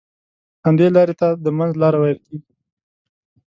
همدې لارې ته د منځ لاره ويل کېږي.